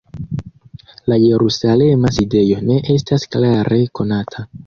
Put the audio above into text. La jerusalema sidejo ne estas klare konata.